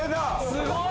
すごい！